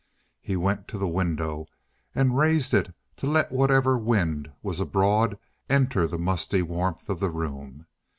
He went to the window and raised it to let whatever wind was abroad enter the musty warmth of the room.